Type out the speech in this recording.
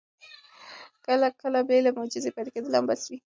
کله کله بې له معجزې پاتې کېدل هم بس وي.